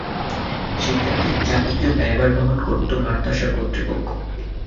শিক্ষার্থীদের যাবতীয় ব্যয়ভার বহন করত মাদ্রাসা কর্তৃপক্ষ।